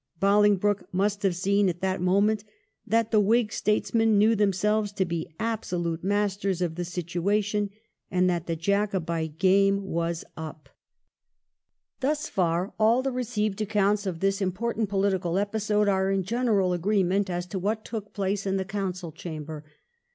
Bolingbroke must have seen, at that moment, that the Whig statesmen knew themselves to be absolute masters of the situation, and that the Jacobite game was up. 1714 SHREWSBURY FOR TREASURER. 363 Thus far all the received accounts of this im portant political episode are in general agreement as to what took place in the Council chamber.